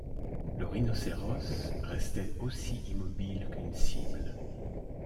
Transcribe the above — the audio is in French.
Le rhinocéros restait aussi immobile qu’une cible.